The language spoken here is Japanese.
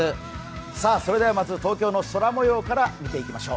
さあ、それではまず東京の空もようから見ていきましょう。